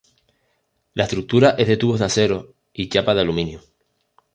La estructura es de tubos de acero y chapas de aluminio.